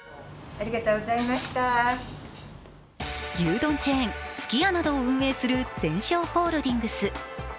牛丼チェーン、すき家などを運営するゼンショーホールディングス。